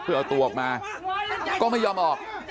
เพื่อเอาตัวออกมาก็ไม่ยอมออก